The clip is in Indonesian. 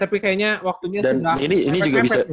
tapi kayaknya waktunya sudah